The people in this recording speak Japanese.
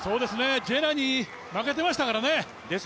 ジェナに負けていましたからね。